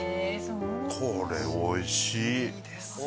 これおいしい。